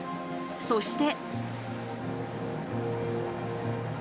そして。